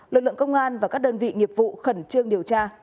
lực lượng công an và các đơn vị nghiệp vụ khẩn trương điều tra